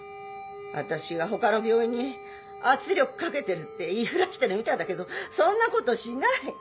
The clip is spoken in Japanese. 私が他の病院に圧力かけてるって言いふらしてるみたいだけどそんなことしない